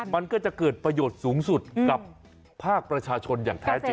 มันก็จะเกิดประโยชน์สูงสุดกับภาคประชาชนอย่างแท้จริง